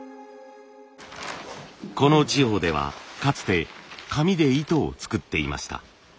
この地方ではかつて紙で糸を作っていました。